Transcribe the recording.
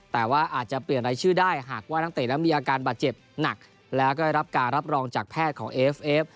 แต่ว่าอาจจะเปลี่ยนรายชื่อได้หากว่านักเตะนั้นมีอาการบาดเจ็บหนักแล้วก็ได้รับการรับรองจากแพทย์ของเอฟเอฟ